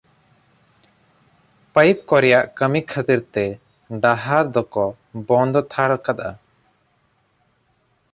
ᱯᱟᱹᱭᱤᱯ ᱠᱚ ᱨᱮᱭᱟᱜ ᱠᱟᱹᱢᱤ ᱠᱷᱟᱹᱛᱤᱨ ᱛᱮ ᱰᱟᱦᱟᱨ ᱫᱚ ᱠᱚ ᱵᱚᱸᱫ ᱛᱷᱟᱲ ᱠᱟᱫᱼᱟ ᱾